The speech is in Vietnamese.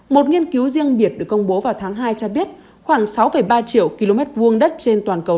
một nghiên cứu riêng biệt được công bố vào tháng hai cho biết khoảng sáu ba triệu km hai đất trên toàn cầu